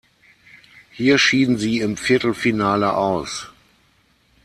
Hier schieden sie im Viertelfinale aus.